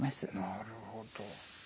なるほど。